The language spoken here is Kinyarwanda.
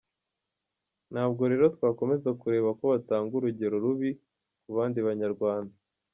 Ntabwo rero twakomeza kurebera ko batanga urugero rubi ku bandi Banyarwanda.